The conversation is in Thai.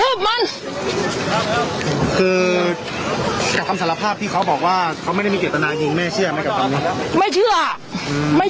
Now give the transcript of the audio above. อยากกระทืบมัน